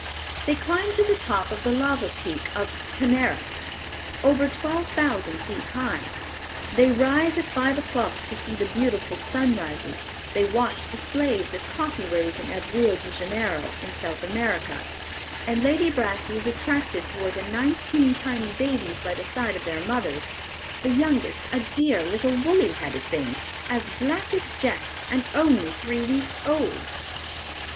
They climb to the top of the lava Peak of Teneriffe, over twelve thousand feet high; they rise at five o'clock to see the beautiful sunrises; they watch the slaves at coffee raising at Rio de Janeiro, in South America, and Lady Brassey is attracted toward the nineteen tiny babies by the side of their mothers; "the youngest, a dear, little woolly headed thing, as black as jet, and only three weeks old."